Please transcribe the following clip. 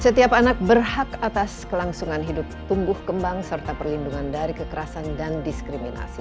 setiap anak berhak atas kelangsungan hidup tumbuh kembang serta perlindungan dari kekerasan dan diskriminasi